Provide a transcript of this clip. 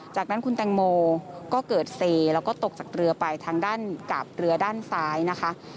จากนั้นคุณแตงโมก็เกิดเซแล้วก็ตกจากเรือไปทางด้านกับเรือด้านซ้ายนะคะ